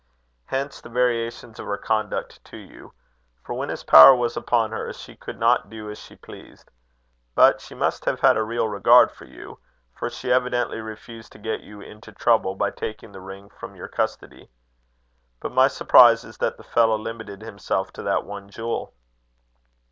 Hence the variations of her conduct to you; for when his power was upon her, she could not do as she pleased. But she must have had a real regard for you; for she evidently refused to get you into trouble by taking the ring from your custody. But my surprise is that the fellow limited himself to that one jewel."